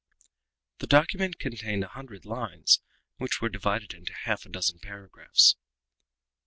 The document contained a hundred lines, which were divided into half a dozen paragraphs.